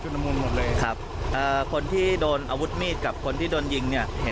รู้สึกเสียใจนะครับ